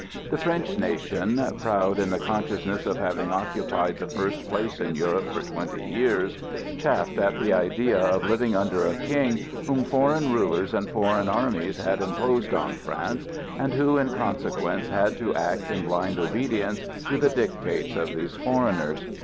The French nation, proud in the consciousness of having occupied the first place in Europe for twenty years, chafed at the idea of living under a king whom foreign rulers and foreign armies had imposed on France, and who, in consequence, had to act in blind obedience to the dictates of these foreigners.